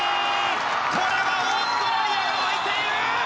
これはオーストラリアが沸いている！